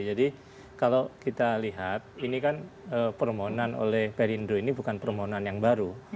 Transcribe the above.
jadi kalau kita lihat ini kan permohonan oleh perindu ini bukan permohonan yang baru